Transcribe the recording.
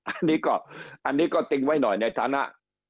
อันนี้ก็ติ้งไว้หน่อยในฐานะ